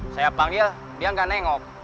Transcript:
saya panggil dia nggak nengok